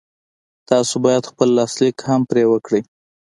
تاسې بايد خپل لاسليک هم پرې وکړئ.